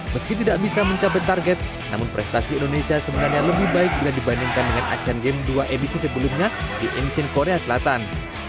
meski tidak bisa mencapai target namun prestasi indonesia sebenarnya lebih baik bila dibandingkan dengan asean games dua emisi sebelumnya di insine korea selatan